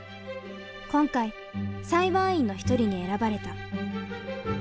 今回裁判員の一人に選ばれた。